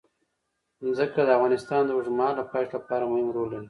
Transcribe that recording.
ځمکه د افغانستان د اوږدمهاله پایښت لپاره مهم رول لري.